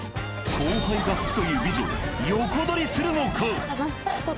後輩が好きという美女を横取りするのか？